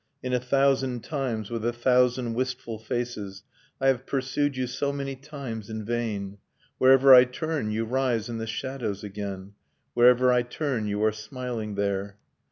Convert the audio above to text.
In a thousand times, with a thousand wistful faces, I have pursued you so many times in vain ... Wherever I turn you rise in the shadows again, Wherever I turn you are smiling there.